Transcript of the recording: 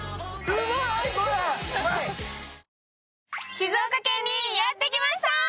静岡県にやってきました。